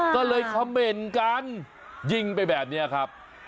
ก็เลยเขม่นกันยิงไปแบบนี้ครับ